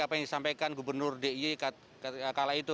apa yang disampaikan gubernur diy kala itu